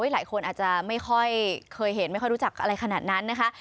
หลายคนอาจจะไม่ค่อยเคยเห็นไม่ค่อยรู้จักอะไรขนาดนั้นนะคะ